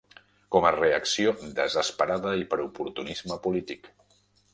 Com a reacció desesperada i per oportunisme polític.